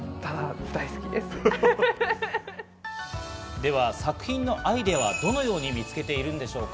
では作品のアイデアはどのように見つけているんでしょうか？